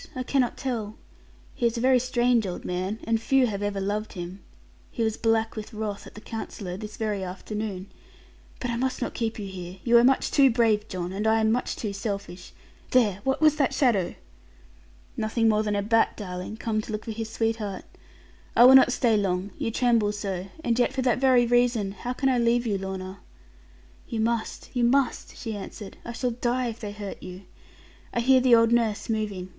I cannot tell. He is a very strange old man; and few have ever loved him. He was black with wrath at the Counsellor, this very afternoon but I must not keep you here you are much too brave, John; and I am much too selfish: there, what was that shadow?' 'Nothing more than a bat, darling, come to look for his sweetheart. I will not stay long; you tremble so: and yet for that very reason, how can I leave you, Lorna?' 'You must you must,' she answered; 'I shall die if they hurt you. I hear the old nurse moving.